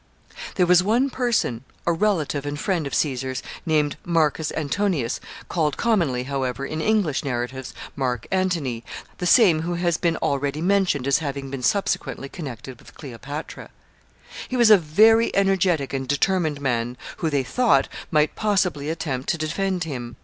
[Sidenote: Marc Antony.] There was one person, a relative and friend of Caesar's, named Marcus Antonius, called commonly, however, in English narratives, Marc Antony, the same who has been already mentioned as having been subsequently connected with Cleopatra. He was a very energetic and determined man, who, they thought, might possibly attempt to defend him.